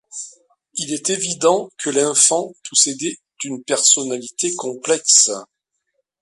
Il est évident que l'infant possédait une personnalité complexe.